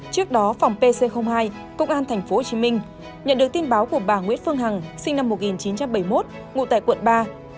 trước đó phòng pc hai công an tp hcm nhận được tin báo của bà nguyễn phương hằng sinh năm một nghìn chín trăm bảy mươi một ngụ tại quận ba